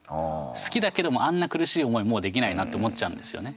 好きだけどもあんな苦しい思い、もうできないなって思っちゃうんですよね。